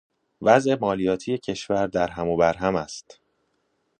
وضع مالیاتی کشور در هم و برهم است.